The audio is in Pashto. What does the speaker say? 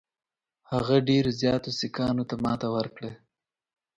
هغه ډېرو زیاتو سیکهانو ته ماته ورکړه.